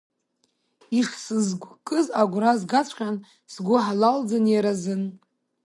Ишсызгәкыз агәра згаҵәҟьан, сгәы ҳалалӡан иара азын.